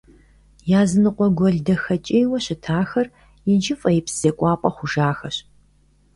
Языныкъуэ гуэл дахэкӀейуэ щытахэр иджы фӀеипс зекӀуапӀэ хъужахэщ.